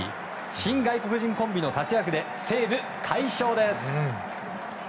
新外国人コンビの活躍で西武、快勝です。